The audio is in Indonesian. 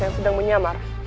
yang sedang menyamar